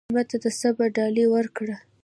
مېلمه ته د صبر ډالۍ ورکړه.